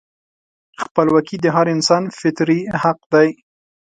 خپلواکي د هر انسان فطري حق دی.